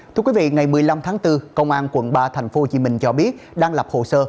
thưa quý vị ngày một mươi năm tháng bốn công an quận ba tp hcm cho biết đang lập hồ sơ